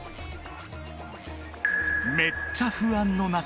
［めっちゃ不安の中］